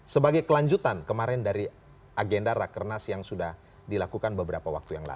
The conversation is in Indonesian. sebagai kelanjutan kemarin dari agenda rakernas yang sudah dilakukan beberapa waktu yang lalu